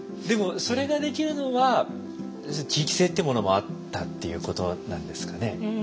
でもそれができるのは地域性っていうものもあったっていうことなんですかね。